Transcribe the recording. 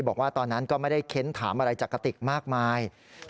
บอกว่าตอนนั้นก็ไม่ได้เค้นถามอะไรจากกระติกมากมาย